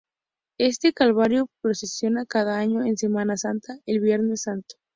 Este Calvario procesiona cada año en Semana Santa el Viernes Santo.